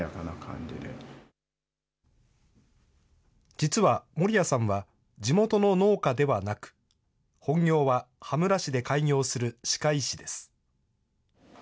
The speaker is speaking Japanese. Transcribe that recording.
実は森谷さんは、地元の農家ではなく、本業は羽村市で開業する歯科医師です。